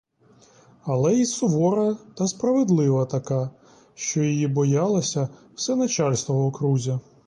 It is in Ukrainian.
Але й сувора та справедлива така, що її боялося все начальство в окрузі.